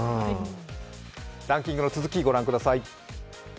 ランキングの続き、ご覧ください。